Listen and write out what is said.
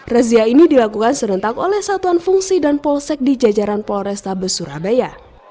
razia ini dilakukan serentak oleh satuan fungsi dan polsek di jajaran polrestabes surabaya